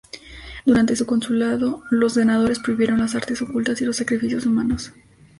Durante su consulado los senadores prohibieron las artes ocultas y los sacrificios humanos.